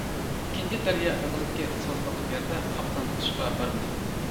ئىككىنچى دەريا ئېغىزىدىكى سازلىق يەردە قاپلان تۇتۇشقا بارمىدىم.